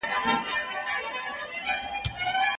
هیڅوک باید د خپلي عقیدې له امله بې برخي نه سي.